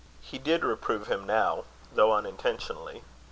He did reprove him now, though unintentionally.